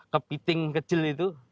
kepiting kecil itu